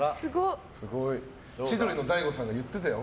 千鳥の大悟さんが言ってたよ。